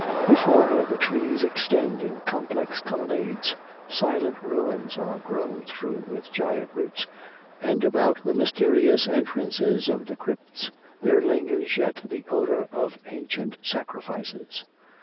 Before her the trees extend in complex colonnades, silent ruins are grown through with giant roots, and about the mysterious entrances of the crypts there lingers yet the odour of ancient sacrifices.